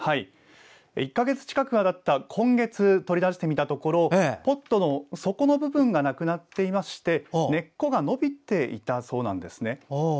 １か月近くたった今月取り出してみたところポットの底の部分がなくなっていまして根っこが伸びていたそうです。